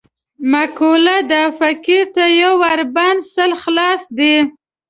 معقوله ده: فقیر ته یو ور بند، سل خلاص دي.